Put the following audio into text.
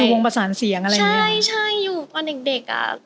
อยู่วงประสานเสียงอะไรอย่างนี้ใช่อยู่ตอนเด็กอะ